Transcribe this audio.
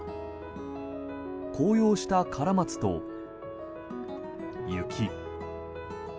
紅葉したカラマツと雪。